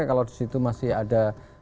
kalau di situ masih ada tempat lain